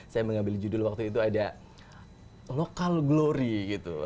saya mengambil judul waktu itu ada local glory gitu loh